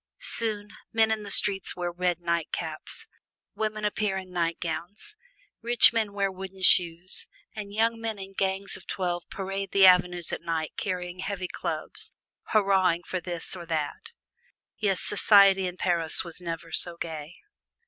Soon, men in the streets wear red nightcaps, women appear in nightgowns, rich men wear wooden shoes, and young men in gangs of twelve parade the avenues at night carrying heavy clubs, hurrahing for this or that. Yes, society in Paris was never so gay.